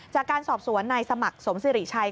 จากการสอบสวนนายสมัครสมสิริชัย